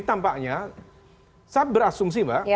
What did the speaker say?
tampaknya saya berasumsi mbak